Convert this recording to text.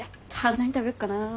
何食べよっかなぁ。